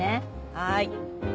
はい。